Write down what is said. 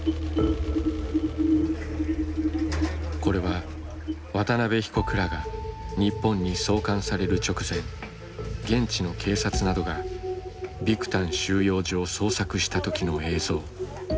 これは渡邉被告らが日本に送還される直前現地の警察などがビクタン収容所を捜索した時の映像。